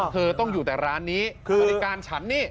เธอต้องอยู่แต่ร้านนี้บริการฉันนี่